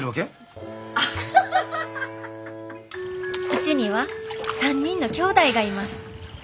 うちには３人のきょうだいがいます。